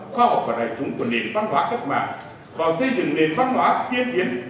khoa học và đại chúng của nền văn hóa cách mạng vào xây dựng nền văn hóa tiên tiến